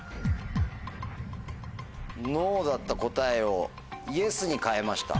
「Ｎｏ」だった答えを「Ｙｅｓ」に変えました。